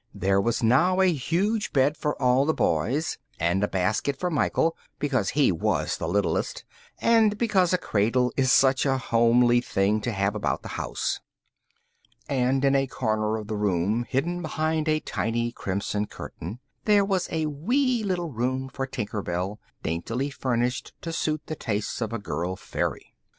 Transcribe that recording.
There was now a huge bed for all the Boys, and a basket for Michael, because he was the littlest and because a cradle is such a homely thing to have about the house. And in a corner of the room, hidden behind a tiny crimson curtain, there was a wee little room for Tinker Bell, daintily furnished to suit the tastes of girl fairy.